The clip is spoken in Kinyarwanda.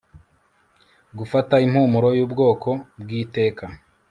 Gufata impumuro yubwoko bwiteka